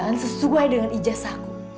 cari pekerjaan sesuai dengan ijazahku